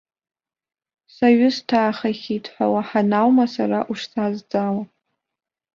Саҩысҭаахахьеит ҳәа уаҳаны аума сара ушсазҵаауа?